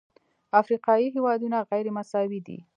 افریقایي هېوادونه غیرمساوي دي.